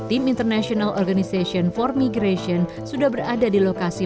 international organization for migration sudah berada di lokasi